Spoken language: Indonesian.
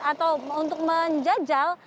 atau untuk menjajal